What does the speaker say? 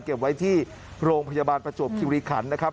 เก็บไว้ที่โรงพยาบาลประจวบคิริขันนะครับ